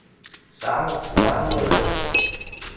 Tesɛam sebɛa n warrac.